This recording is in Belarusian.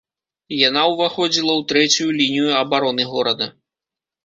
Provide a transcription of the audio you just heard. Яна ўваходзіла ў трэцюю лінію абароны горада.